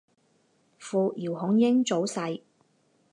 父姚孔瑛早逝。